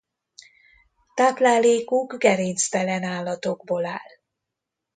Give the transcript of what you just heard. Táplálékuk gerinctelen állatokból áll.